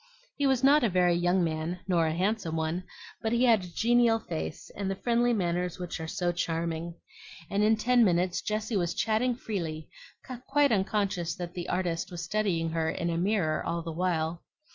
He was not a very young man, nor a handsome one, but he had a genial face, and the friendly manners which are so charming; and in ten minutes Jessie was chatting freely, quite unconscious that the artist was studying her in a mirror all the while.